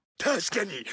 確かに！